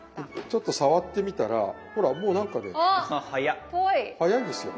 ちょっと触ってみたらほらもう何かね早いんですよ。